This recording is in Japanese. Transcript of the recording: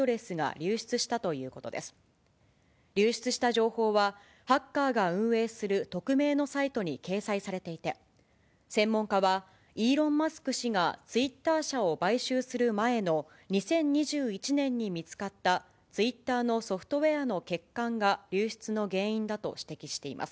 流出した情報は、ハッカーが運営する匿名のサイトに掲載されていて、専門家は、イーロン・マスク氏がツイッター社を買収する前の２０２１年に見つかった、ツイッターのソフトウエアの欠陥が流出の原因だと指摘しています。